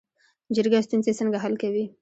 جرګه ستونزې څنګه حل کوي؟